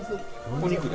お肉で？